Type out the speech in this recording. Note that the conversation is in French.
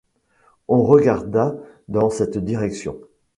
On regarda dans cette direction.